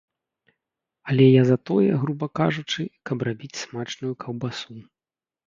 Але я за тое, груба кажучы, каб рабіць смачную каўбасу.